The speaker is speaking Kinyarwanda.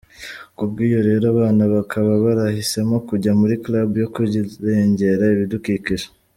Ku bw’ibyo rero abana bakaba barahisemo kujya muri club yo kurengera ibidukikije .